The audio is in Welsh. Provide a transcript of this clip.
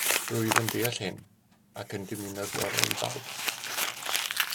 Rwyf yn deall hyn ac yn dymuno'r gorau i bawb